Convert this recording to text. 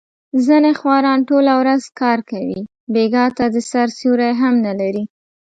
ځنې خواران ټوله ورځ کار کوي، بېګاه ته د سیر سیوری هم نه لري.